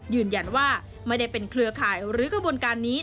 ยืนยันว่าไม่ได้เป็นเครือข่ายหรือกระบวนการนี้